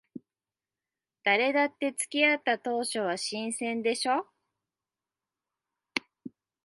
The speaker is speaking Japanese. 誰だって付き合った当初は新鮮でしょ。